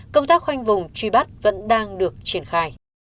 công tác khoanh vùng truy bắt vẫn đang được triển khai